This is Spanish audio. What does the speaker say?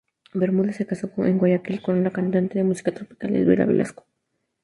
Bermúdez se casó en Guayaquil con la cantante de música tropical, Elvira Velasco.